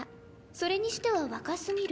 それにしては若すぎる。